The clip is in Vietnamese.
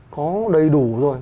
có đầy đủ rồi